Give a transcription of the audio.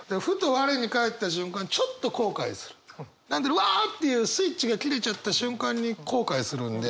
うわっていうスイッチが切れちゃった瞬間に後悔するんで。